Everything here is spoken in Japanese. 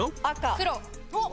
黒。